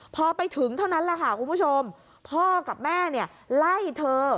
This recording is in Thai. พอไปถึงเท่านั้นแหละค่ะคุณผู้ชมพ่อกับแม่เนี่ยไล่เธอ